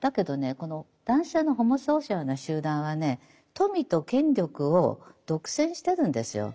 この男性のホモソーシャルな集団はね富と権力を独占してるんですよ。